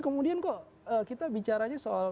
kemudian kok kita bicaranya soal